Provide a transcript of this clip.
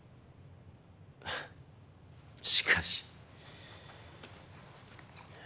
しかし。